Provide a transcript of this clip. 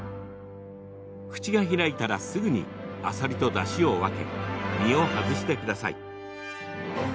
口が開いたらすぐにあさりとだしを分け身を外してください。